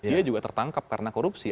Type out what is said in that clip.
dia juga tertangkap karena korupsi